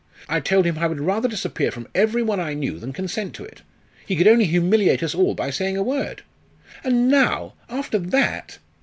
I told him I would rather disappear from every one I knew than consent to it he could only humiliate us all by saying a word. And now, after that!